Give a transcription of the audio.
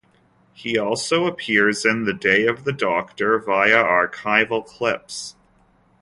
He also appears in "The Day of the Doctor", via archival clips.